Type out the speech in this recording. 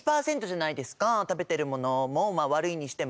食べてるものもまあ悪いにしても。